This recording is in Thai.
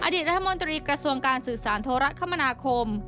รัฐมนตรีกระทรวงการสื่อสารโทรคมนาคม